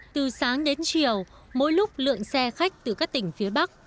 từ sáng đến chiều mỗi lúc lượng xe khách từ các tỉnh phía bắc